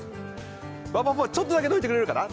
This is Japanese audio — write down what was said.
バーバパパ、ちょっとだけどいてくれるかな？